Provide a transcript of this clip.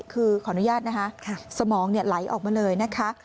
คือขออนุญาตนะคะสมองไหลออกมาเลยนะคะ